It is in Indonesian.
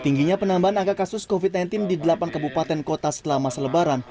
tingginya penambahan angka kasus covid sembilan belas di delapan kebupaten kota setelah masa lebaran